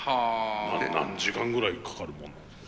何時間ぐらいかかるもんなんですか？